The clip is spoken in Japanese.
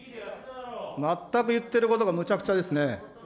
全く言ってることがむちゃくちゃですね。